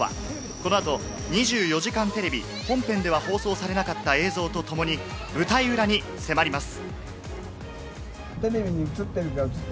この後、『２４時間テレビ』本編では放送されなかった映像とともに舞台裏に迫ります。